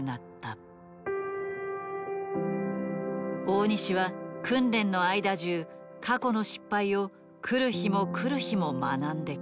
大西は訓練の間じゅう過去の失敗を来る日も来る日も学んできた。